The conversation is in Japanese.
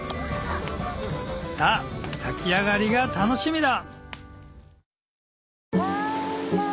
さぁ炊き上がりが楽しみだ！